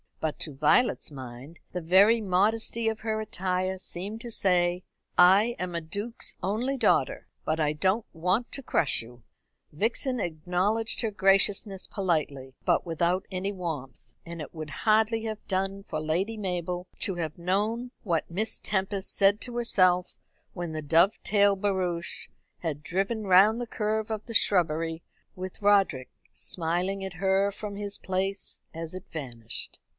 But to Violet's mind the very modesty of her attire seemed to say: "I am a duke's only daughter, but I don't want to crush you." Vixen acknowledged her graciousness politely, but without any warmth; and it would hardly have done for Lady Mabel to have known what Miss Tempest said to herself when the Dovedale barouche had driven round the curve of the shrubbery, with Roderick smiling at her from his place as it vanished.